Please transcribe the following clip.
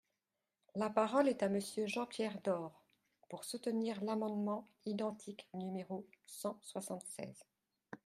La parole est à Monsieur Jean-Pierre Door, pour soutenir l’amendement identique numéro cent soixante-seize.